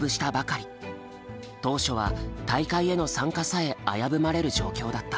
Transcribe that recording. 当初は大会への参加さえ危ぶまれる状況だった。